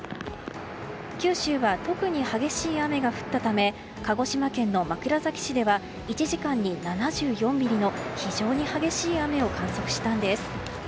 九州は特に激しい雨が降ったため鹿児島県の枕崎市では１時間に７４ミリの非常に激しい雨を観測したんです。